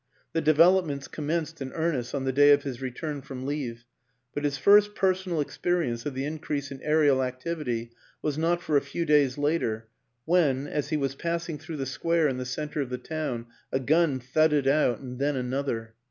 The developments commenced in earn est on the day of his return from leave; but his first personal experience of the increase in aerial activity was not for a few days later, when, as he was passing through the square in the center of the town, a gun thudded out and then another.